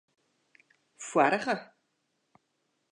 Foarige.